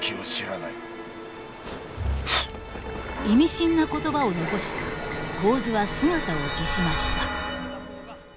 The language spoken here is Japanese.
意味深な言葉を残して神頭は姿を消しました。